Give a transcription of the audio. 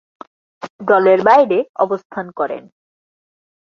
দলের বাইরে অবস্থান করেন।